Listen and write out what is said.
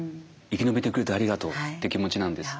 生き延びてくれてありがとうって気持ちなんです。